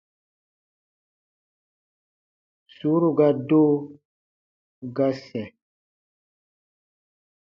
Sùuru ga do, ga sɛ̃.